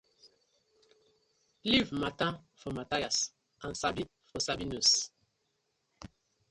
Leave mata for Mathias and Sabi for Sabinus: